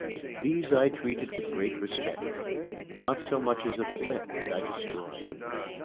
These I treated with great respect. Not so much as a thread did I destroy.